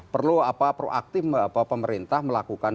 perlu proaktif pemerintah melakukan